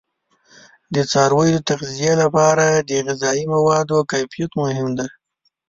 د څارویو د تغذیه لپاره د غذایي موادو کیفیت مهم دی.